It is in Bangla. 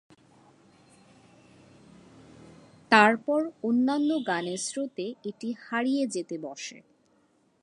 তারপর অন্যান্য গানের স্রোতে এটি হারিয়ে যেতে বসে।